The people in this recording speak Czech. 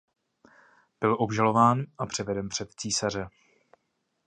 Byl obžalován a předveden před císaře.